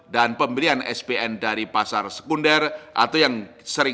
dan pembelian spn dari pasar sekunder atau yang sering disebut triple intervention